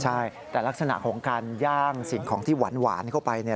ใช่แต่ลักษณะของการย่างสิ่งของที่หวานเข้าไปเนี่ย